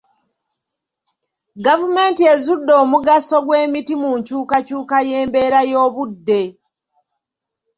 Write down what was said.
Gavumenti ezudde omugaso gw'emiti mu nkyukakyuka y'embeera y'obudde.